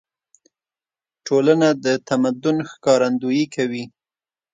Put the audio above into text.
ټولنه د تمدن ښکارندويي کوي.